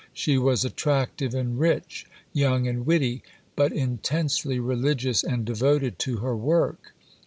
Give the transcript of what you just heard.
She was attractive and rich, young and witty, but intensely religious and devoted to her work.